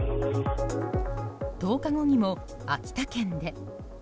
１０日後にも、秋田県で。